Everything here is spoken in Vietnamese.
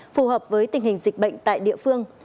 phù hợp với tình hình dịch bệnh tại địa phương